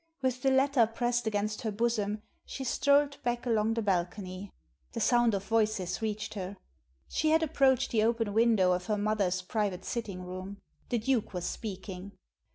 With the letter pressed against her bosom she strolled back along the bal cony. The sound of voices reached her. She had approached the open window of her mother's private sitting room. The Duke was speaking.